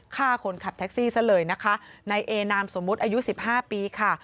ฆ่าคนขับแท็กซี่ซะเลยนะคะในเอนามสมมุติอายุสิบห้าปีค่ะ